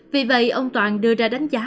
vì vậy ông toàn đưa ra đánh giá